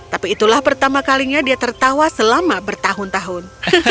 tapi itulah pertama kalinya dia tertawa selama bertahun tahun